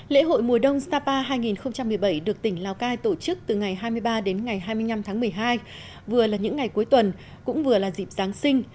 lễ hội mùa đông sapa hai nghìn một mươi bảy được tỉnh lào cai tổ chức từ ngày hai mươi ba đến ngày hai mươi năm tháng một mươi hai vừa là những ngày cuối tuần cũng vừa là dịp giáng sinh